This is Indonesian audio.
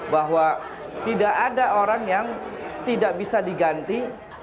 bahwa tidak ada orang yang tidak bisa diganti